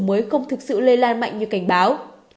mới không thực sự lây lan mạnh như cảnh báo